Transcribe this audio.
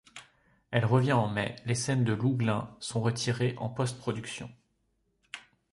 Elle revient en mai, les scènes de Loughlin sont retirées en post-production.